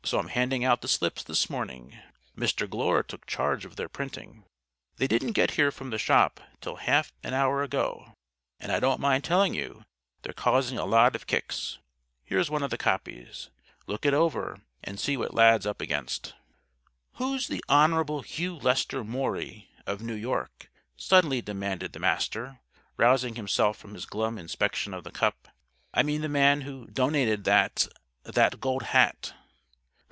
So I'm handing out the slips this morning. Mr. Glure took charge of their printing. They didn't get here from the job shop till half an hour ago. And I don't mind telling you they're causing a lot of kicks. Here's one of the copies. Look it over, and see what Lad's up against." "Who's the Hon. Hugh Lester Maury, of New York?" suddenly demanded the Master, rousing himself from his glum inspection of the Cup. "I mean the man who donated that that Gold Hat?"